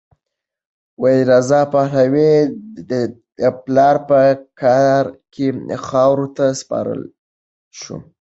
رضا پهلوي د پلار په قاره کې خاورو ته سپارل شوی.